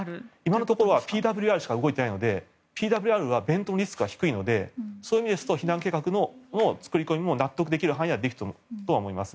今のところはＰＷＲしか動いていないのでＰＷＲはベントのリスクが低いのでそういう意味で避難計画の作り込みも納得できる範囲ではできていると思います。